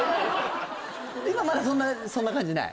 今まだそんな感じない？